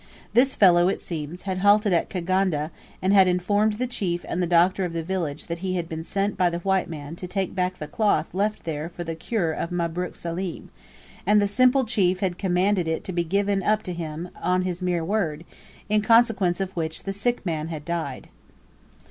This fellow, it seems, had halted at Kigandu, and had informed the chief and the doctor of the village that he had been sent by the white man to take back the cloth left there for the cure of Mabruk Saleem; and the simple chief had commanded it to be given up to him upon his mere word, in consequence of which the sick man had died.